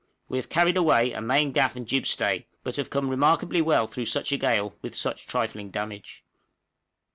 We have carried away a main gaff and a jibstay, but have come remarkably well through such a gale with such trifling damage.